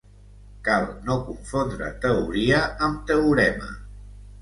Cal no confondre teoria amb teorema.